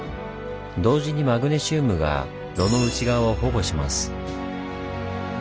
同時にマグネシウムが炉の内側を保護します。